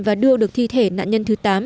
và đưa được thi thể nạn nhân thứ tám